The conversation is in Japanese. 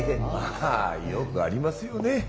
まあよくありますよね